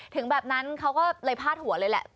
ถึงแบบนั้นเขาก็เลยพาดหัวเลยแหละ